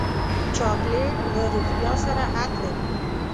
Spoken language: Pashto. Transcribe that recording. چاکلېټ له روغتیا سره حد لري.